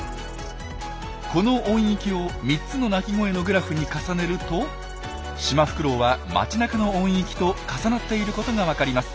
この音域を３つの鳴き声のグラフに重ねるとシマフクロウは街なかの音域と重なっていることが分かります。